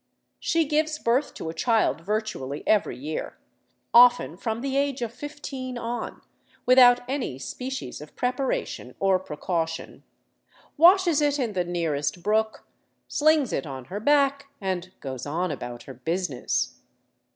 She gives birth to a child virtually every year, often from the age of fifteen on, without any species of preparation or precaution, washes it in the nearest brook, slings it on her back, and goes on about her business.